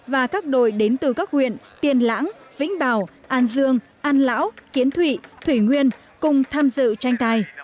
và các đội đến từ các huyện tiên lãng vĩnh bảo an dương an lão kiến thụy thủy nguyên cùng tham dự tranh tài